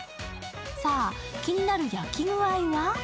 さあ、気になる焼き具合は？